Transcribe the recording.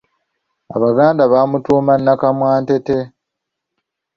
Abaganda bamutuuma nnakamwantette.